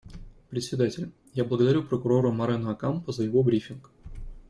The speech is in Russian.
Председатель: Я благодарю Прокурора Морено Окампо за его брифинг.